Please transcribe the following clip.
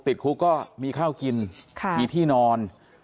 ติดคุกก็มีข้าวกินมีที่นอน